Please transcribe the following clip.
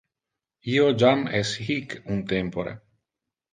Io jam es hic un tempore.